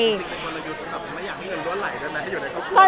จริงแต่เราอยู่ตรงนั้นไม่อยากให้เงินล้วนไหล่ด้วยมั้ย